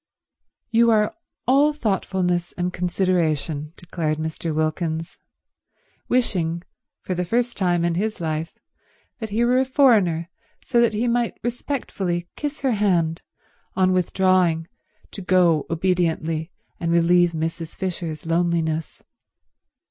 "You are all thoughtfulness and consideration," declared Mr. Wilkins, wishing, for the first time in his life, that he were a foreigner so that he might respectfully kiss her hand on withdrawing to go obediently and relieve Mrs. Fisher's loneliness.